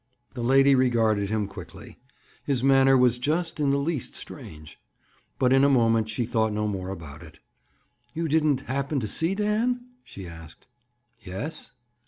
The lady regarded him quickly. His manner was just in the least strange. But in a moment she thought no more about it. "You didn't happen to see Dan?" she asked. "Yes."